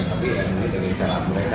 tapi ya ini dengan cara mereka